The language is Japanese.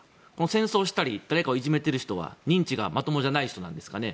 戦争をしたり誰かをいじめたりしてる人は認知がまともじゃない人なんですかね。